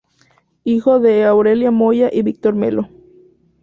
Hijo de Aurelia Moya y Víctor Melo.